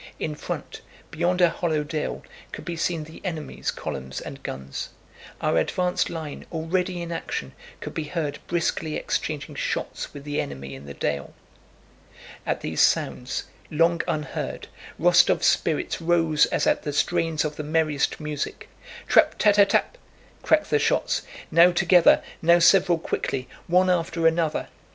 In front, beyond a hollow dale, could be seen the enemy's columns and guns. Our advanced line, already in action, could be heard briskly exchanging shots with the enemy in the dale. At these sounds, long unheard, Rostóv's spirits rose, as at the strains of the merriest music. Trap ta ta tap! cracked the shots, now together, now several quickly one after another.